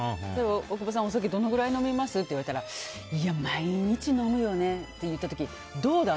大久保さん、お酒どのくらい飲みます？って言われたらいや、毎日飲むよねって言った時どうだ？